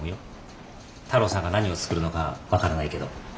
太郎さんが何をつくるのか分からないけど。